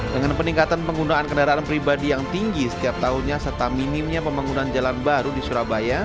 dengan peningkatan penggunaan kendaraan pribadi yang tinggi setiap tahunnya serta minimnya pembangunan jalan baru di surabaya